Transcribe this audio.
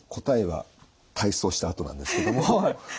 答えは体操したあとなんですけども。